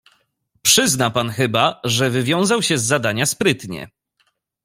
"Przyzna pan chyba, że wywiązał się z zadania sprytnie."